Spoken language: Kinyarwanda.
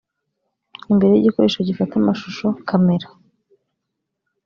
Imbere y’igikoresho gifata amashusho (camera)